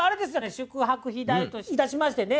宿泊費代といたしましてね